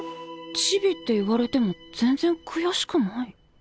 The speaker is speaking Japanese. ちびって言われても全然くやしくない？